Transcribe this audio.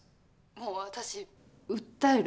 もう私訴える。